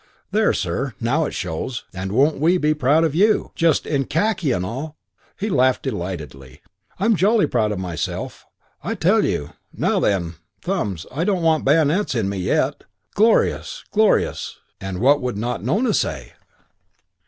"There, sir. Now it shows. And won't we be proud of you, just, in khaki and all!" He laughed delightedly. "I'm jolly proud of myself, I tell you! Now, then, Thumbs, I don't want bayonets in me yet!" Glorious! Glorious! And what would not Nona say!